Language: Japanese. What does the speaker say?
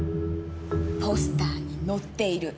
ポスターに載っている！